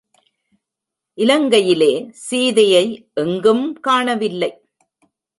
இலங்கையிலே சீதையை எங்கும் காணவில்லை.